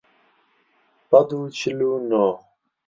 سەد و چل و نۆ